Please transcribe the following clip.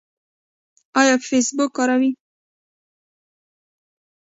ایا فیسبوک کاروئ؟